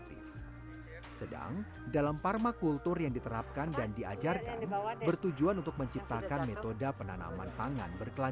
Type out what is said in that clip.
tinggal bersama anak